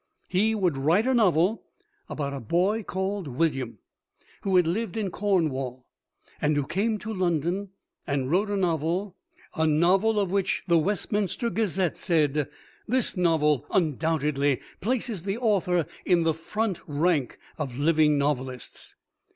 He would write a novel about a boy called William who had lived in Cornwall, and who came to London and wrote a novel, a novel of which "The Westminster Gazette" said: "This novel undoubtedly places the author in the front rank of living novelists."